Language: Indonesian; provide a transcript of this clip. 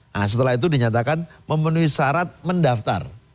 nah setelah itu dinyatakan memenuhi syarat mendaftar